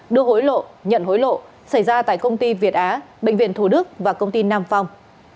đưa hối lộ nhận hối lộ xảy ra tại công ty việt á bệnh viện thủ đức và công ty nam phong